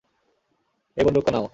এই বন্দুকটা নাও।